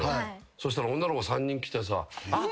そしたら女の子３人来てさ。